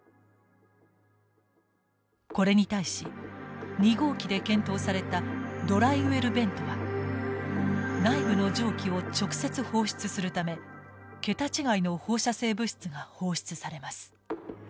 これに対し２号機で検討されたドライウェルベントは内部の蒸気を直接放出するため桁違いの放射性物質が放出されます。